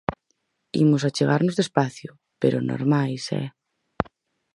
Imos achegarnos despacio, pero normais eh...